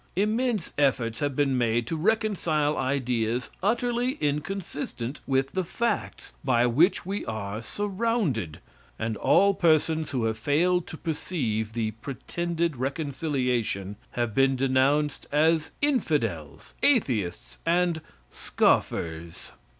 Immense efforts have been made to reconcile ideas utterly inconsistent with the facts by which we are surrounded, and all persons who have failed to perceive the pretended reconciliation, have been denounced as infidels, atheists and scoffers.